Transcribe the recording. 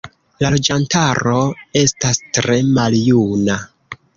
La loĝantaro estas tre maljuna.